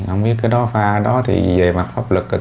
ông biết cái đó pha đó thì về mặt pháp lực